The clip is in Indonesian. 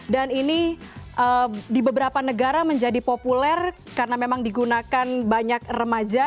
dan ini di beberapa negara menjadi populer karena memang digunakan banyak remaja